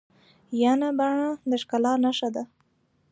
ینه بڼه د ښکلا نخښه ده.